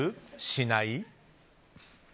しない？